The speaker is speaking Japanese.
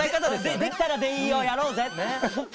「できたらでいいよやろうぜ！」。